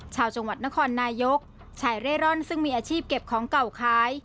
ชาวจังหวัดนครนายกชายเร่ร่อนซึ่งมีอาชีพเก็บของเก่าขาย